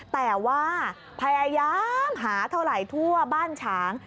แต่ว่าพยายามหาเท่าไหร่ทั่วบ้านฉาง